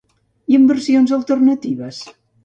I en versions alternatives?